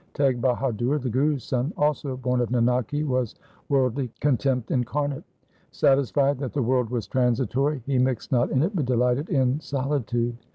Teg Bahadur, the Guru's son, also born of Nanaki, was worldly contempt incarnate. Satisfied that the world was transitory, he mixed not in it, but delighted in solitude.